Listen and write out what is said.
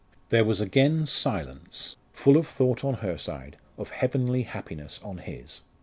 There was again silence, full of thought on her side, of heavenly happiness on his.